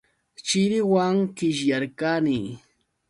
Chiriwan qishyarqani.